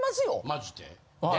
マジで？